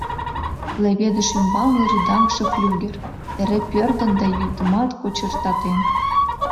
Леведыш ӱмбалне рӱдаҥше флюгер... эре пӧрдын да йӱдымат кочыртатен.